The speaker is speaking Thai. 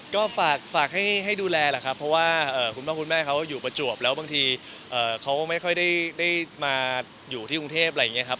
ก็ฝากให้ดูแลแหละครับเพราะว่าคุณพ่อคุณแม่เขาอยู่ประจวบแล้วบางทีเขาไม่ค่อยได้มาอยู่ที่กรุงเทพอะไรอย่างนี้ครับ